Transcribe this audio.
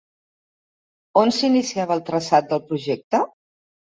On s'iniciava el traçat del projecte?